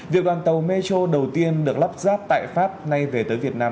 việc đoàn tàu metro đầu tiên được lắp ráp tại pháp nay về tới việt nam